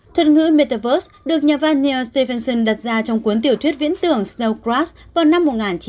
thuật ngữ metaverse được nhà văn neil stevenson đặt ra trong cuốn tiểu thuyết viễn tưởng snow crash vào năm một nghìn chín trăm chín mươi hai